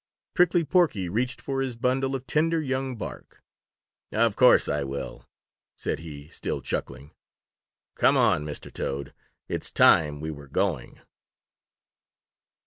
Prickly Porky reached for his bundle of tender young bark. "Of course I will," said he, still chuckling. "Come on, Mr. Toad, it's time we were going."